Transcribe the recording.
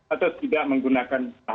atau tidak menggunakan berat